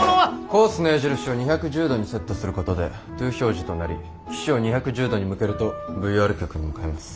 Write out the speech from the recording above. コースの矢印を２１０度にセットすることでＴＯ表示となり機首を２１０度に向けるとＶＯＲ局に向かえます。